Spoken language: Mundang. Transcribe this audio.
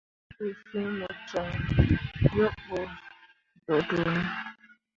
Te ɓu fiŋ mo coŋ yebɓo doodoone ?